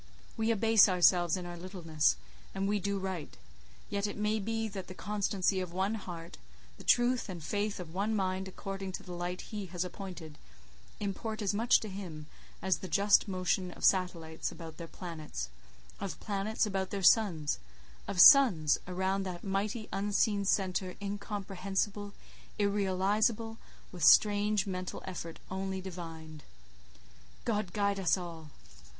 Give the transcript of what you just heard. We abase ourselves in our littleness, and we do right; yet it may be that the constancy of one heart, the truth and faith of one mind according to the light He has appointed, import as much to Him as the just motion of satellites about their planets, of planets about their suns, of suns around that mighty unseen centre incomprehensible, irrealizable, with strange mental effort only divined. "God guide us all!